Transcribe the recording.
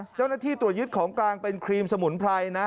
เจ้าหน้าที่ตรวจยึดของกลางเป็นครีมสมุนไพรนะ